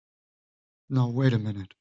Now wait a minute!